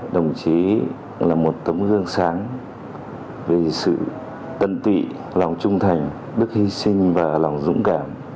đồng chí là một tấm gương sáng vì sự tận tụy lòng trung thành đức hy sinh và lòng dũng cảm